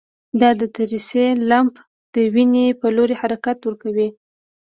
دا دریڅې لمف ته د وینې په لوري حرکت ورکوي.